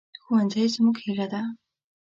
ښوونځی زموږ هیله ده